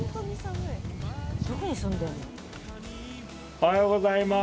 おはようございます。